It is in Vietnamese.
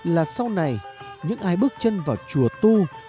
là sau này những ai bước chân vào chùa tu